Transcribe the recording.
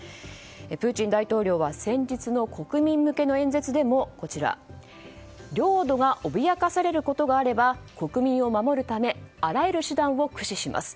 プーチン大統領は先日の国民向けの演説でも領土が脅かされることがあれば国民を守るためあらゆる手段を駆使します。